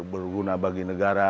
berguna bagi negara